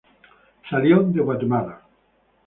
Salió de Guatemala.